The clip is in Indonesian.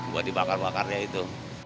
buat dibakar bakarnya itu